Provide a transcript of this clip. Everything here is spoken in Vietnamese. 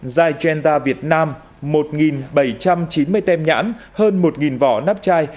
zagenda việt nam một bảy trăm chín mươi tem nhãn hơn một vỏ nắp chai